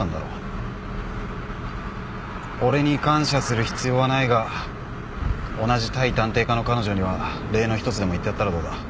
俺に感謝する必要はないが同じ対探偵課の彼女には礼の一つでも言ってやったらどうだ？